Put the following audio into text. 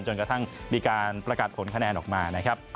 จนกระทั่งมีการประกาศผลคะแนนออกมานะครับ